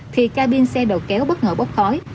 thì ca biên xe đầu kéo bất ngờ bốc khói